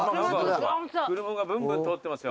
車がブンブン通ってますよ。